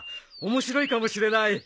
面白いかもしれない。